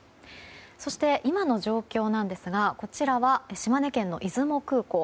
そして、今の状況なんですがこちらは島根県の出雲空港。